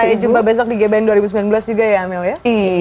sampai jumpa besok di gbn dua ribu sembilan belas juga ya amel ya